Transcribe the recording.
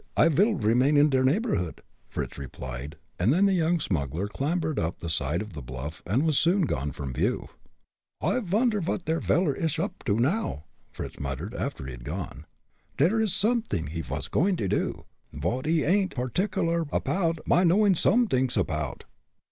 I vil remain in der neighborhood," Fritz replied, and then the young smuggler clambered up the side of the bluff, and was soon gone from view. "I vonder vot dot veller ish oop to, now," Fritz muttered, after he had gone. "Der is somet'ing he vas goin' to do, vot he ain'd purticular apoud my knowing somedings apoud.